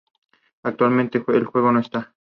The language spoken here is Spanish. Actualmente el juego no está.